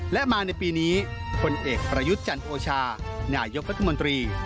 และมาในปีนี้พลเอกประยุทธ์จันโอชานายกรัฐมนตรี